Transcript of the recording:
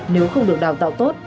nếu không được đào tạo tốt